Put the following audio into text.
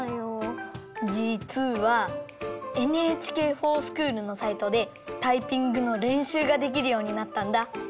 じつはＮＨＫｆｏｒＳｃｈｏｏｌのサイトでタイピングのれんしゅうができるようになったんだ。